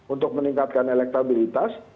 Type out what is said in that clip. untuk meningkatkan elektabilitas